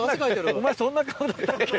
お前そんな顔だったっけ？